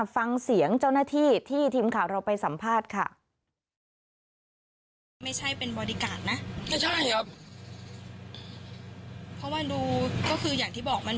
ฟังเสียงเจ้าหน้าที่ที่ทีมข่าวเราไปสัมภาษณ์ค่ะ